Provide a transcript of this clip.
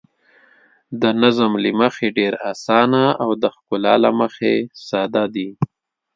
د نظم له مخې ډېر اسانه او د ښکلا له مخې ساده دي.